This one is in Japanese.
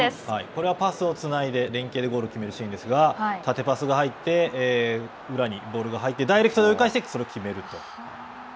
これはパスをつないで連係でゴールを決めるシーンですが縦パスが入って裏にボールが入ってダイレクトで動かしてそれを決めると。